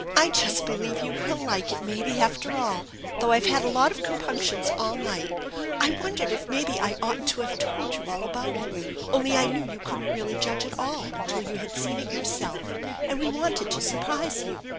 " I just believe you will like it, maybe, after all, though I've had a lot of compunctions all night. I wondered if maybe I oughtn't to have told you all about it ; only I knew you couldn't really judge at all until you had seen it yourself, and we wanted to surprise you."